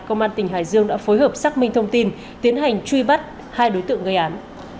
công an tỉnh hải dương đã phối hợp xác minh thông tin tiến hành truy bắt hai đối tượng gây án